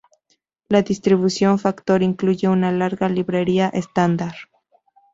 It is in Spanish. La distribución Factor incluye una larga librería estándar.